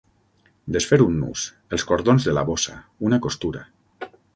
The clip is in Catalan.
Desfer un nus, els cordons de la bossa, una costura.